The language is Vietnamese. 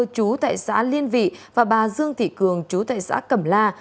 chú tại xã liên vị và bà dương thị cường chú tại xã cẩm la